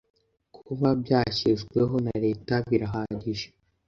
kuba byashyizweho na Leta birahagije